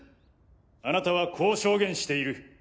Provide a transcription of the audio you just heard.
あなたはこう証言している。